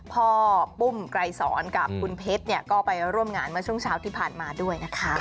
พ่อปุ้มไกรศรกับคุณเพชรเนี่ยก็ไปร่วมงานมาช่วงเช้าที่ผ่านมาด้วยนะคะ